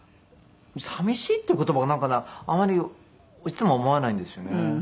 寂しいっていう言葉もだからあんまりいつも思わないんですよね。